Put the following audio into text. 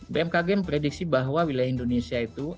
bmkg memprediksi bahwa wilayah indonesia itu